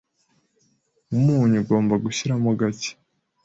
Umunyu ugomba gushyiramo gake,